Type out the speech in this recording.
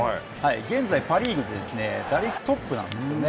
現在、パ・リーグで打率トップなんですよね。